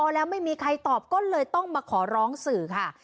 แล้วไม่มีใครตอบก็เลยต้องมาขอร้องสื่อค่ะ